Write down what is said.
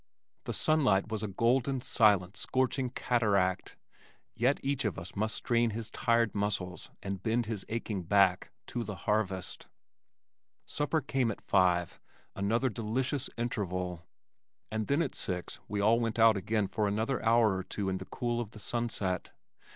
The sunlight was a golden, silent, scorching cataract yet each of us must strain his tired muscles and bend his aching back to the harvest. Supper came at five, another delicious interval and then at six we all went out again for another hour or two in the cool of the sunset.